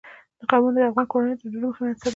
قومونه د افغان کورنیو د دودونو مهم عنصر دی.